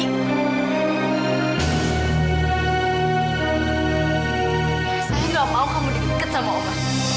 saya gak mau kamu deket deket sama oma